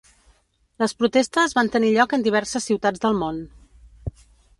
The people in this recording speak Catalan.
Les protestes van tenir lloc en diverses ciutats del món.